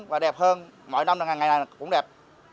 và đẹp hơn mỗi năm ngày này cũng đẹp